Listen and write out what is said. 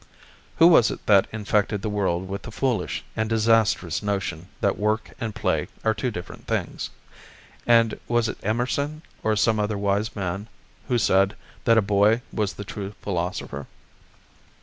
Who was it that infected the world with the foolish and disastrous notion that work and play are two different things? And was it Emerson, or some other wise man, who said that a boy was the true philosopher?